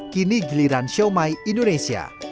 kini giliran xiaomi indonesia